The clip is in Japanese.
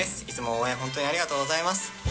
いつも応援、本当にありがとうございます。